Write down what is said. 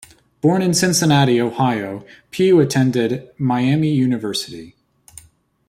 Born in Cincinnati, Ohio, Pugh attended Miami University.